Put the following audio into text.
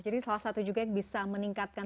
jadi salah satu juga yang bisa meningkatkan